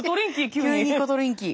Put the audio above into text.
急にコトリンキー。